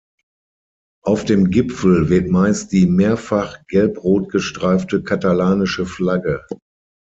Auf dem Gipfel weht meist die mehrfach gelbrot gestreifte katalanische Flagge.